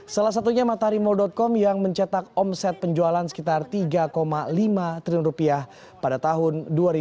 salah satunya mataharimall com yang mencetak omset penjualan sekitar tiga lima triliun rupiah pada tahun dua ribu dua puluh